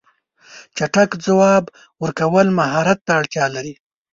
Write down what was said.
چټک ځواب ورکول مهارت ته اړتیا لري.